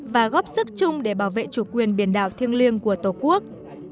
và góp sức chung để bảo vệ chủ quyền biển đảo thiêng liêng của tổ quốc